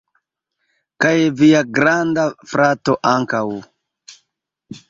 Kaj via granda frato ankaŭ